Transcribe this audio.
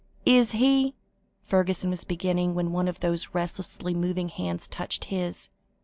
"Is he " Fergusson was beginning, when one of those restlessly moving hands touched his.